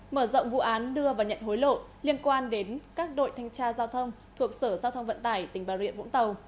mở rộng vụ án đưa và nhận hối lộ liên quan đến các đội thanh tra giao thông thuộc sở giao thông vận tải tỉnh bà rịa vũng tàu